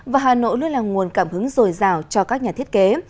và hà nội luôn là nguồn cảm hứng dồi dào cho các nhà thiết kế